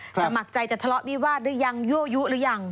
สมัครใจจะทะเลาะวิวาสหรือยังยั่วยุหรือยัง